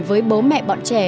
với bố mẹ bọn trẻ